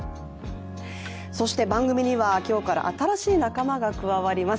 そして番組には、今日から新しい仲間が加わります。